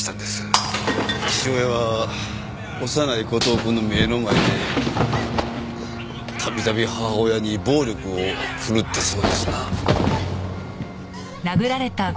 父親は幼い後藤くんの目の前でたびたび母親に暴力を振るったそうですな。